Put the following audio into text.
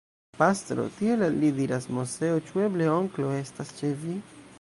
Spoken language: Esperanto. Pastro, tiel al li diras Moseo, ĉu eble onklo estas ĉe vi?